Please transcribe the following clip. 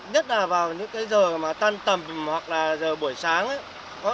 nhất là vào những giờ tan tầm hoặc là giờ buổi sáng